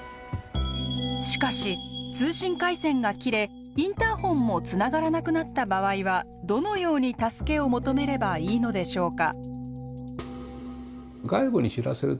しかし通信回線が切れインターホンもつながらなくなった場合はどのように助けを求めればいいのでしょうか？